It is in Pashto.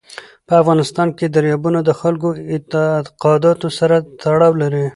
په افغانستان کې دریابونه د خلکو د اعتقاداتو سره تړاو لري.